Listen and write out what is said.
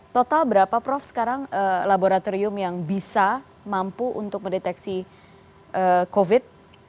total berapa prof sekarang laboratorium yang bisa mampu untuk mendeteksi covid